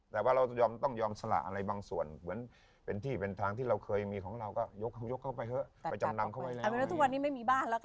แค่ว่าร่างกายเราแข็งเล็งไปทำงานได้